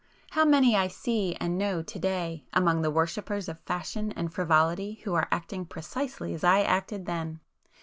How many I see and know to day among the worshippers of fashion and frivolity who are acting precisely as I acted then!